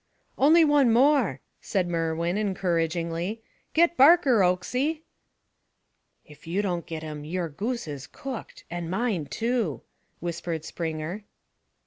"Only one more," said Merwin encouragingly. "Get Barker, Oakesie." "If you don't get him, your goose is cooked and mine, too!" whispered Springer.